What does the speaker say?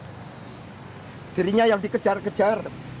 dan dirinya yang dikejar kejar